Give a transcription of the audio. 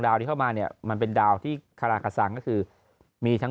ที่เข้ามาเนี่ยมันเป็นดาวที่คาราคสังก็คือมีทั้ง